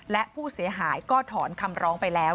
และผู้เสียหายก็ถอนคำร้องไปแล้ว